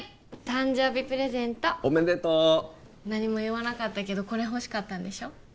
誕生日プレゼントおめでとう何も言わなかったけどこれ欲しかったんでしょ？